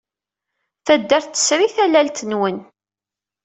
Taddart tesri tallalt-nwen.